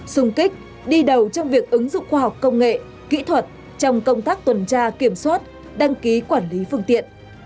sung kích đi đầu trong việc ứng dụng khoa học công nghệ kỹ thuật trong công tác tuần tra kiểm soát đăng ký quản lý phương tiện